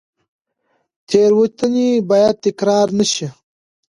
تېروتنې باید تکرار نه شي.